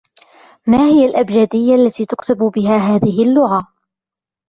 ما هي الأبجديّة التي تُكتب بها هذه اللّغة؟